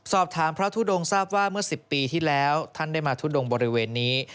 สอบถามพระทุดงทราบว่าเมื่อ๑๐ปีที่แล้วท่านได้มาทุดงบริเวณนี้